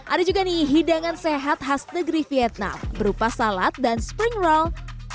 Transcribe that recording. ada juga nih hidangan sehat khas negeri vietnam berupa salat dan spring roll